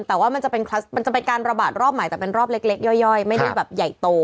แต่ว่ามันจะเป็นการระบาดรอบใหม่แต่เป็นรอบเล็กย่อยไม่ได้แบบใหญ่โต